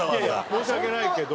申し訳ないけど。